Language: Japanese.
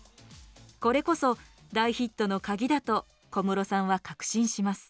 これこそ大ヒットの鍵だと小室さんは確信します。